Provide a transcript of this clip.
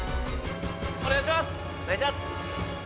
お願いします！